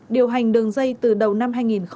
điều hành đường dây từ đầu năm hai nghìn hai mươi